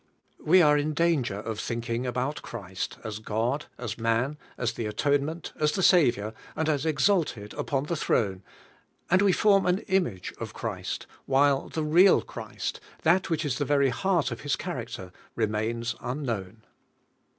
We are in danger of thinking about Christ, as God, as man, as the atonement, as the Saviour, and as exalted upon the throne, and we form an image of Christ, while the real Christ, that which is the ver}^ heart of His character, remains unknown.